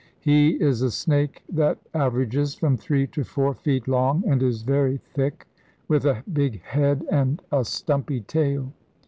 He is a snake that averages from three to four feet long, and is very thick, with a big head and a stumpy tail.